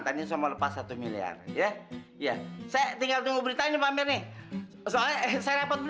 kok tumben gak mau opi